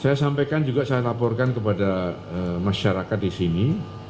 saya sampaikan juga saya laporkan kepada masyarakat di sini